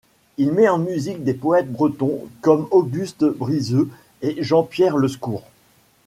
Il met en musique des poètes bretons comme Auguste Brizeux et Jean-Pierre Le Scour.